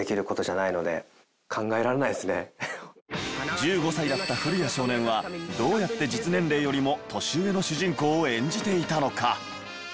１５歳だった古谷少年はどうやって実年齢よりも年上の主人公を演じていたのか？